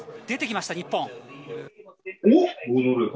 出てきました、日本。